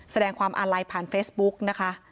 แสดงความอันไลน์ผ่านเฟสบุ๊คนะคะ